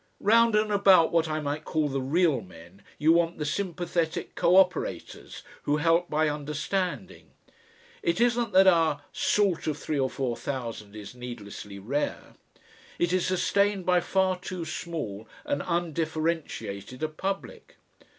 Round and about what I might call the REAL men, you want the sympathetic cooperators, who help by understanding. It isn't that our SALT of three or four thousand is needlessly rare; it is sustained by far too small and undifferentiated a public.